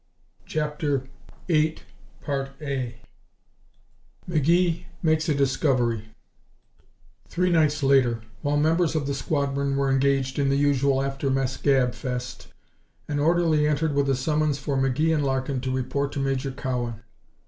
CHAPTER VIII McGee Makes a Discovery 1 Three nights later, while members of the squadron were engaged in the usual after mess gab fest, an orderly entered with a summons for McGee and Larkin to report to Major Cowan.